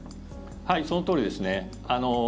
はい、そのとおりですね。